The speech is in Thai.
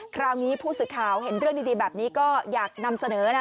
คราวนี้ผู้สื่อข่าวเห็นเรื่องดีแบบนี้ก็อยากนำเสนอนะ